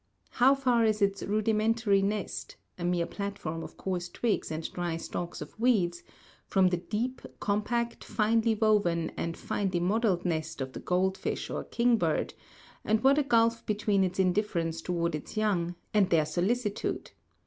How far is its rudimentary nest a mere platform of coarse twigs and dry stalks of weeds from the deep, compact, finely woven and finely modeled nest of the goldfinch or kingbird, and what a gulf between its indifference toward its young and their solicitude!